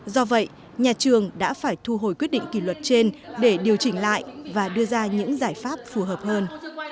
do vậy nhà trường đã phải thu hồi quyết định kỷ luật trên để điều chỉnh lại và đưa ra những giải pháp phù hợp hơn